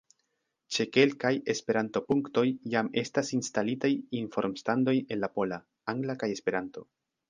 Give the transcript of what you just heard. Ĉe kelkaj Esperanto-punktoj jam estas instalitaj informstandoj en la pola, angla kaj Esperanto.